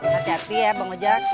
hati hati ya bang ujang